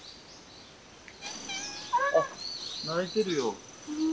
あっ鳴いてるよ。